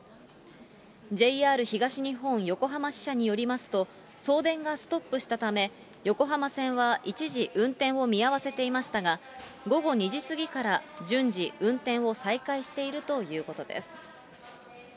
ＪＲ東日本横浜支社によりますと、送電がストップしたため、横浜線は一時、運転を見合わせていましたが、午後２時過ぎから順次、運転を再開しているということです。